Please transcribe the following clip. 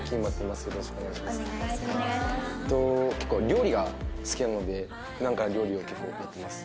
料理が好きなので普段から料理を結構やってます。